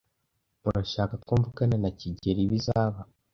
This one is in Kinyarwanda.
Urashaka ko mvugana na kigeli ibizaba?